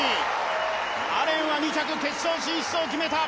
アレンは２着、決勝進出を決めた。